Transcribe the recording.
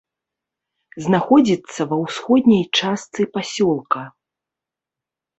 Знаходзіцца ва ўсходняй частцы пасёлка.